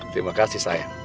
terima kasih sayang